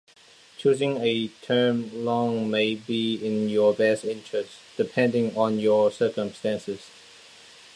Choosing a term loan may be in your best interest, depending on your circumstances.